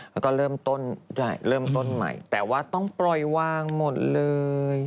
แล้วก็เริ่มต้นใหม่แต่ว่าต้องปล่อยว่างหมดเลย